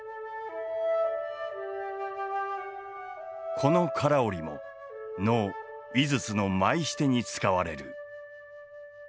この唐織も能「井筒」の前シテに使われる。